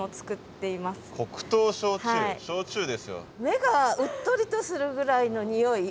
目がうっとりとするぐらいの匂い。